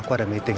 aku ada meeting